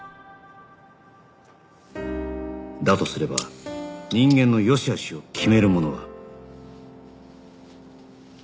だとすれば人間の善しあしを決めるものは